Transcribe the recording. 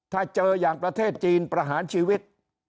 ถ้าเจออย่างประเทศจีนประหารชีวิต